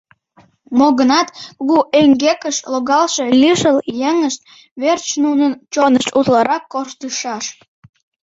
Мо-гынат, кугу эҥгекыш логалше лишыл еҥышт верч нунын чонышт утларак корштышаш.